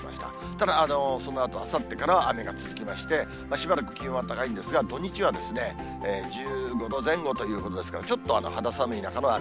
ただ、そのあと、あさってからは雨が続きまして、しばらく気温は高いんですが、土日は１５度前後ということですから、ちょっと肌寒い中の雨。